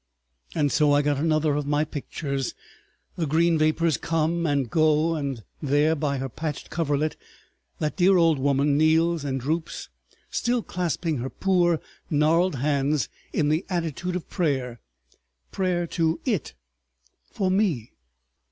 And so I got another of my pictures—the green vapors come and go, and there by her patched coverlet that dear old woman kneels and droops, still clasping her poor gnarled hands in the attitude of prayer—prayer to IT—for me!